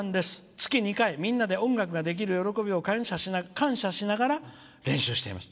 月に２回音楽ができる喜びを感謝しながら練習しています。